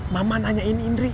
mama nanyain indri